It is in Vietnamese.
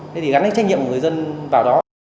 thế thì gắn trách nhiệm người dân vào đó